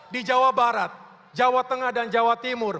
di jawa barat jawa tengah dan jawa timur